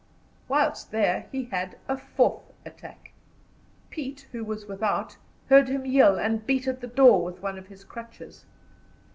Whilst there he had a fourth attack. Pete, who was without, heard him yell and beat at the door with one of his crutches.